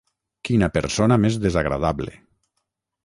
Quina persona més desagradable!